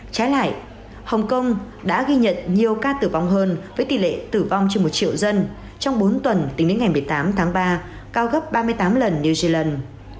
trái lại hồng kông đã ghi nhận nhiều ca tử vong hơn với tỷ lệ tử vong trên một triệu dân trong bốn tuần tính đến ngày một mươi tám tháng ba cao gấp ba mươi tám lần new zealand